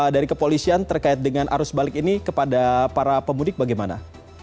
dari kepolisian terkait dengan arus balik ini kepada para pemudik bagaimana